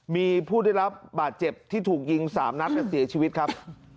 มีผู้ได้รับบาดเจ็บที่ถูกยิง๓นัดเสียชีวิตครับ